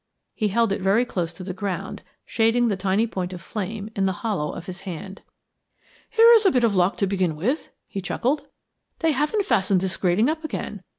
He held it down close to the ground, shading the tiny point of flame in the hollow of his hand. "Here is a bit of luck to begin with," he chuckled. "They haven't fastened this grating up again.